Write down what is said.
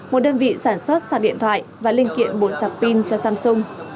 một đơn vị sản xuất sạc điện thoại và linh kiện bột sạc pin cho samsung